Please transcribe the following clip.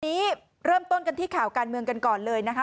นี้เริ่มต้นกันที่ข่าวการเมืองกันก่อนเลยนะคะ